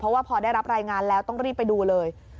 เพราะว่าพอได้รับรายงานแล้วต้องรีบไปดูเลย